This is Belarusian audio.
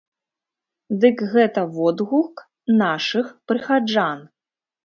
Дык гэта водгук нашых прыхаджан.